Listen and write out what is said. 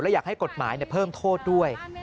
อยากให้กฎหมายเพิ่มโทษด้วย